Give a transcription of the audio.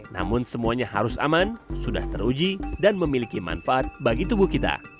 namun semuanya harus aman sudah teruji dan memiliki manfaat bagi tubuh kita